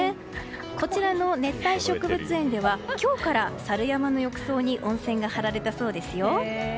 こちらの熱帯植物園では今日からサル山の浴槽に温泉が張られたそうですよ。